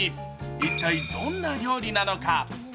一体どんな料理なのか？